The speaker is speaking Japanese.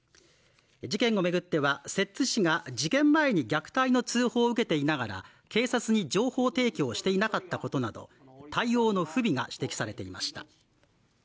事件を巡っては、摂津市が事件前に虐待の通報を受けていながら、警察に情報提供していなかったことなど、対応の不備が指摘されていました。